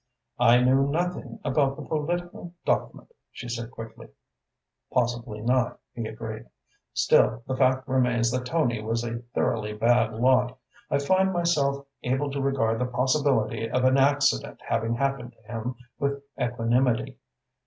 "I knew nothing about the political document," she said quickly. "Possibly not," he agreed. "Still, the fact remains that Tony was a thoroughly bad lot. I find myself able to regard the possibility of an accident having happened to him with equanimity.